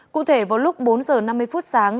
cụ thể vào lúc bốn giờ năm mươi phút sáng